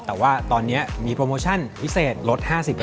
แต่ว่าตอนนี้มีโปรโมชั่นพิเศษลด๕๐